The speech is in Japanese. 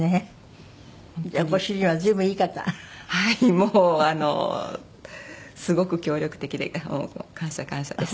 もうあのすごく協力的で感謝感謝です。